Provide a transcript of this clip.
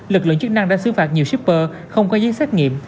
lực lượng chức năng đã xứ phạt nhiều shipper không có giấy xác nghiệm